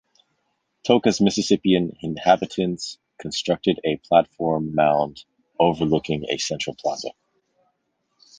Toqua's Mississippian inhabitants constructed a platform mound overlooking a central plaza.